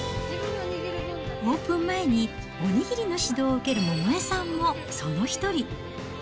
オープン前にお握りの指導を受ける百恵さんもその一人。